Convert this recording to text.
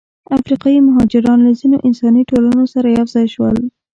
افریقایي مهاجران له ځینو انساني ټولنو سره یوځای شول.